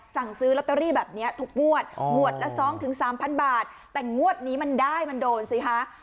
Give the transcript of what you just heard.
สั่งซื้อลอตเตอรี่แบบนี้ทุกงวดงวดละสองถึงสามพันบาทแต่งวดนี้มันได้มันโดนสิคะ